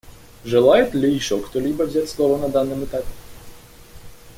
Желает ли еще кто-либо взять слово на данном этапе?